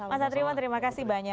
mas satriwan terima kasih banyak